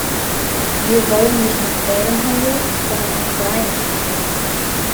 Wir wollen nicht nur fairen Handel, sondern auch freien Handel.